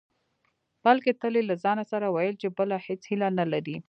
بلکې تل يې له ځانه سره ويل چې بله هېڅ هيله نه لري.